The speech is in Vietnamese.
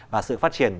và sự phát triển